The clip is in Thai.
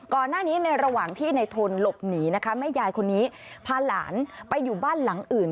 ในระหว่างที่ในทนหลบหนีนะคะแม่ยายคนนี้พาหลานไปอยู่บ้านหลังอื่น